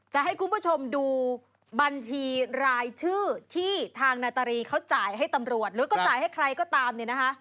จะให้คุณผู้ชมดูบัญชีรายชื่อที่ทางนาตรีเขาจ่ายให้ตำรวจหรือก็จ่ายให้ใครก็ตามเนี่ยนะคะ